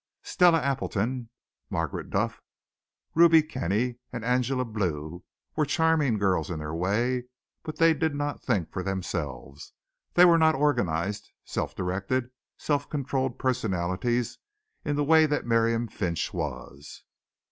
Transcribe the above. Stella Appleton, Margaret Duff, Ruby Kenny and Angela Blue were charming girls in their way, but they did not think for themselves. They were not organized, self directed, self controlled personalities in the way that Miriam Finch was.